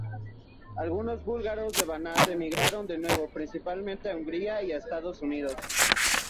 Algunos búlgaros de Banat emigraron de nuevo, principalmente a Hungría y a Estados Unidos.